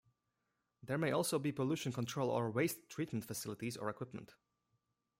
There may also be pollution control or waste treatment facilities or equipment.